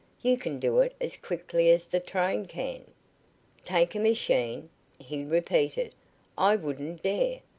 You can do it as quickly as the train can." "Take a machine?" he repeated. "I wouldn't dare.